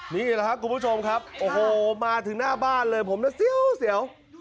นี่แหละครับคุณผู้ชมครับโอ้โหมาถึงหน้าบ้านเลยผมน่ะเสียว